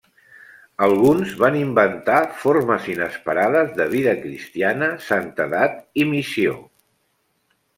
Alguns van inventar formes inesperades de vida cristiana, santedat i missió.